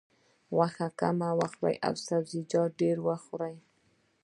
غوښه کمه وخوره او سبزیجات ډېر وخوره.